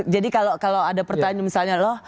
jadi kalau ada pertanyaan misalnya loh